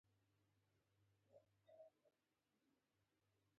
خر په دې باور و چې ټول کلي د ده لپاره دی.